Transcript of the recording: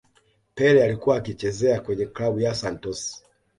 pele alikuwa akiichezea kwenye klabu ya santos